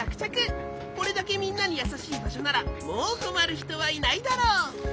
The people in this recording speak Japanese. これだけみんなにやさしいばしょならもうこまるひとはいないだろう。